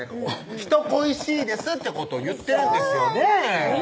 人恋しいですってことを言ってるんですよねぇ